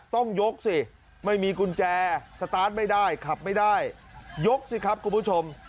ต้องยกสิไม่มีกุญแจสตาร์ทไม่ได้ขับไม่ได้ยกสิครับคุณผู้ชม